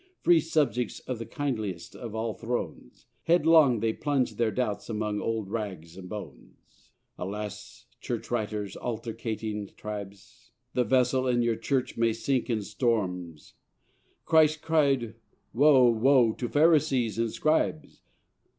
Free subjects of the kindliest of all thrones, Headlong they plunge their doubts among old rags and bones. Alas, Church writers, altercating tribes The vessel and your Church may sink in storms. Christ cried: Woe, woe, to Pharisees and Scribes!